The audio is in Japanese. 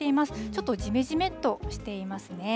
ちょっとジメジメっとしていますね。